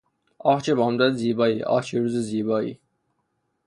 آه چه بامداد زیبایی! آه چه روز زیبایی!